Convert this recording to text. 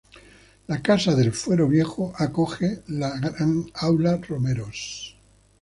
La Casa del Fuero Viejo acoge la gran Aula Romeros.